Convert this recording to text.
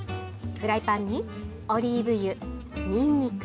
フライパンにオリーブ油、にんにく